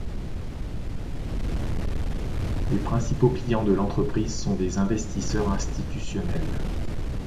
Les principaux clients de l'entreprise sont des investisseurs institutionnels.